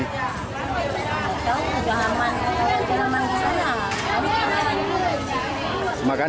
tidak tahu sudah aman